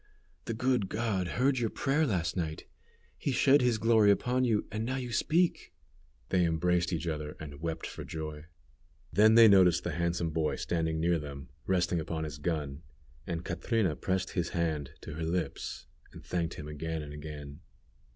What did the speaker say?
The good God heard your prayer last night. He shed His glory upon you, and now you speak." They embraced each other, and wept for joy. Then they noticed the handsome boy standing near them, resting upon his gun, and Catrina pressed his hand to her lips, and thanked him again and again.